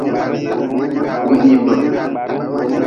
Wihibe.